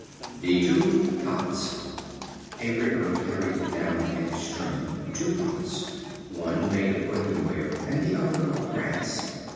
The Two Pots. A river carried down in its stream two Pots, one made of earthenware, and the other of brass.